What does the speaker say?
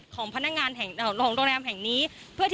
ของพนักงานแห่งรถตู้